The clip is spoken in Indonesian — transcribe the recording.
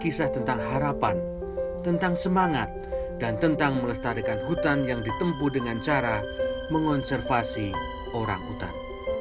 kisah tentang harapan tentang semangat dan tentang melestarikan hutan yang ditempu dengan cara mengonservasi orang hutan